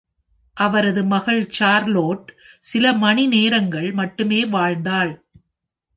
அவரது மகள் சார்லோட் சில மணிநேரங்கள் மட்டுமே வாழ்ந்தாள்.